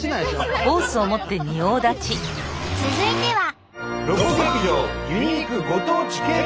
続いては。